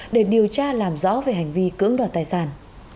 để điều tra làm rõ về hành vi cưỡng đoạt tài sản